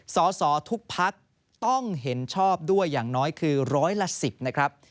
สอสอทุกพักต้องเห็นชอบด้วยอย่างน้อยคือร้อยละ๑๐นะครับ